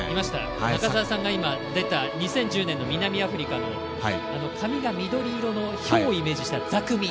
中澤さんが出た２０１０年の南アフリカの紙が緑色のヒョウをイメージしたザクミ。